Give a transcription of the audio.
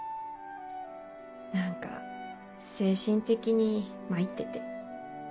何か精神的に参ってて。